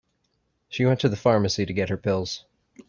She went to the pharmacy to get her pills.